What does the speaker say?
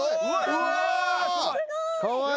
うわ。